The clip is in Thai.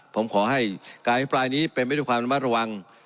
ผมขอให้การอภิปรายนี้เป็นไปด้วยความระมัดระวัง